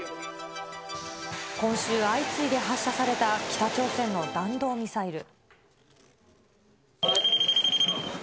今週、相次いで発射された北朝鮮の弾道ミサイル。